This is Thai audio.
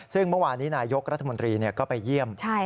ซึ่งเมื่อวานนี้นายกรัฐมนตรีก็ไปเยี่ยม